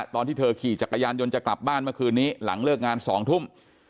ตอนที่เธอขี่จักรยานยนต์จะกลับบ้านเมื่อคืนนี้หลังเลิกงาน๒ทุ่ม